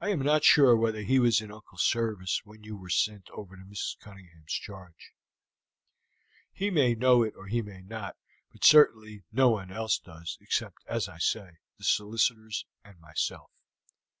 I am not sure whether he was in uncle's service when you were sent over in Mrs. Cunningham's charge. He may know it or he may not, but certainly no one else does, except, as I say, the solicitors and myself.